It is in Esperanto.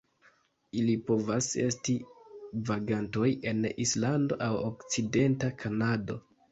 Ili povas esti vagantoj en Islando aŭ okcidenta Kanado.